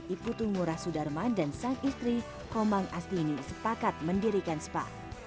i putungurah sudarma dan sang istri komang astini sepakat mendirikan spa